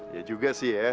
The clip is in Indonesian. ya juga sih ya